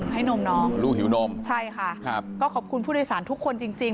ให้นมลูกหิวนมใช่ค่ะก็ขอบคุณผู้โดยสารทุกคนจริง